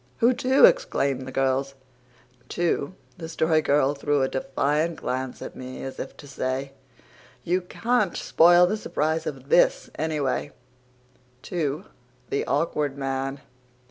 "Who to?" exclaimed the girls. "To" the Story Girl threw a defiant glance at me as if to say, "You can't spoil the surprise of THIS, anyway," "to the Awkward Man."